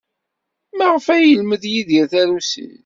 Maɣef ay yelmed Yidir tarusit?